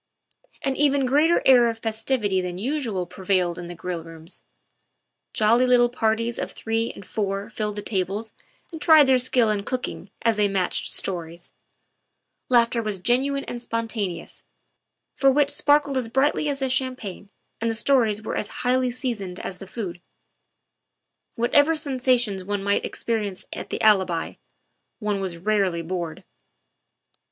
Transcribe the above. An even greater air of festivity than usual prevailed in the grill rooms. Jolly little parties of three and four filled the tables and tried their skill in cooking as they matched stories ; laughter was genuine and spontaneous, for wit sparkled as brightly as the champagne and the stories were as highly seasoned as the food. Whatever sensations one might experience at the Alibi, one was rarely bored.